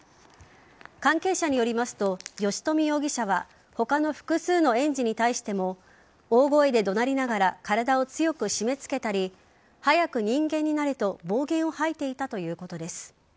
関係者によりますと吉冨容疑者は他の複数の園児に対しても大声で怒鳴りながら体を強く締め付けたり早く人間になれと暴言を吐いていたということです。